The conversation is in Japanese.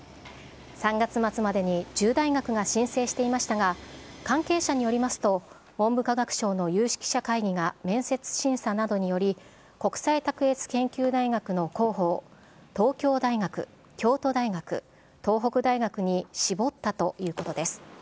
３月末までに１０大学が申請していましたが、関係者によりますと、文部科学省の有識者会議が面接審査などにより、国際卓越研究大学の候補を東京大学、京都大学、東北大学に絞ったということです。